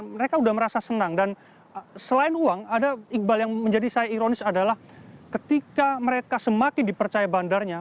mereka sudah merasa senang dan selain uang ada iqbal yang menjadi saya ironis adalah ketika mereka semakin dipercaya bandarnya